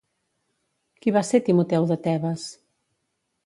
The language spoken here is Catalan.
Qui va ser Timoteu de Tebes?